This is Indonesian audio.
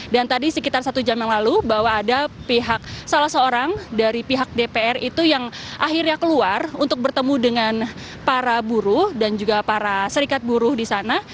dan tadi sekitar satu jam yang lalu bahwa ada pihak salah seorang dari pihak dpr itu yang akhirnya keluar untuk bertemu dengan para buruh dan juga para serikat buruh di sana